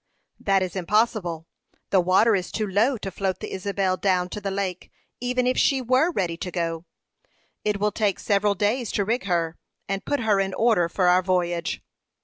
"That is impossible. The water is too low to float the Isabel down to the lake, even if she were ready to go. It will take several days to rig her, and put her in order for our voyage."